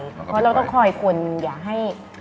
เพราะเราต้องคอยคนอย่าให้